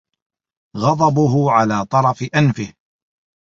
غضبه على طرف أنفه